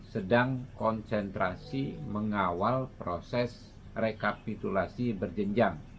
sedang konsentrasi mengawal proses rekapitulasi berjenjang